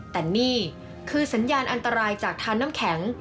แต่นี่คือสัญญาณอันตรายจากทานน้ำแข็ง